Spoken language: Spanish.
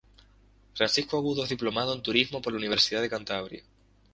Francisco Agudo es Diplomado en Turismo por la Universidad de Cantabria.